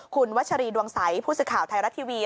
คุณวัชรีดวงใสผู้สื่อข่าวไทยรัฐทีวี